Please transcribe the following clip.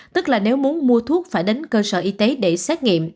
tức là nếu muốn mua thuốc phải đến cơ sở y tế